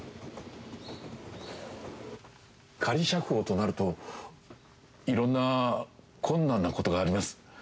仮釈放となるといろんな困難なことがあります。